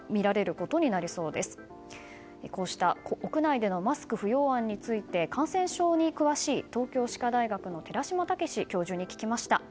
こうした屋内でのマスク不要案について感染症に詳しい東京歯科大学の寺嶋毅教授に聞きました。